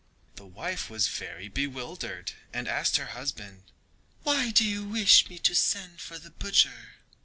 The wife was very bewildered and asked her husband: "Why do you wish me to send for the butcher?"